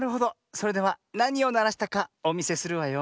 それではなにをならしたかおみせするわよ。